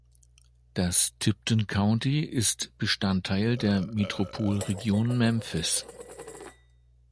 Das Tipton County ist Bestandteil der Metropolregion Memphis.